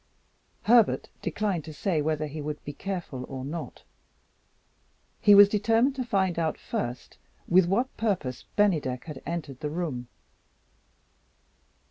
Herbert declined to say whether he would be careful or not. He was determined to find out, first, with what purpose Bennydeck had entered the room.